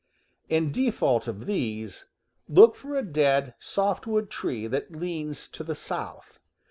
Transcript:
In default of these, look for a dead softwood tree that leans to the south.